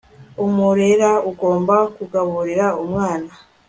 umurera ugomba kugaburira umwana